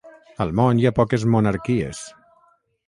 Al món, hi ha poques monarquies.